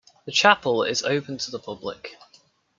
The chapel is open to the public.